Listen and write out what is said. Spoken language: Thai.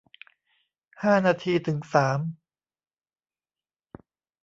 ห้านาทีถึงสาม